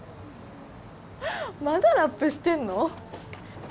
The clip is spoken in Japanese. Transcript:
まだラップしてんの？